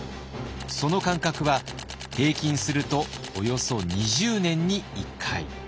その間隔は平均するとおよそ２０年に１回。